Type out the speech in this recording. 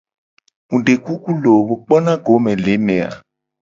Mu de kuku loo, wo kpona go le eme a?